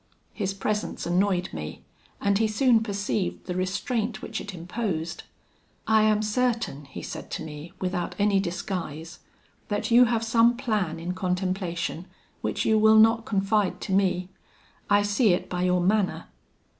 His presence annoyed me, and he soon perceived the restraint which it imposed. 'I am certain,' he said to me, without any disguise, 'that you have some plan in contemplation which you will not confide to me; I see it by your manner.'